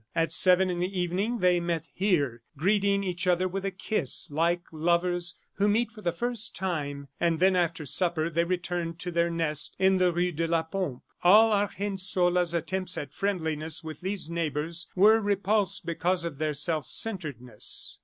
At seven in the evening they met here, greeting each other with a kiss, like lovers who meet for the first time; and then after supper, they returned to their nest in the rue de la Pompe. All Argensola's attempts at friendliness with these neighbors were repulsed because of their self centredness.